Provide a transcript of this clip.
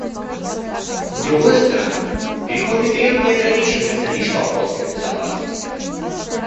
С другой стороны, переходный период не ограничивается лишь вопросами безопасности.